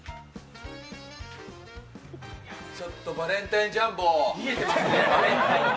ちょっとバレンタインジャンボ。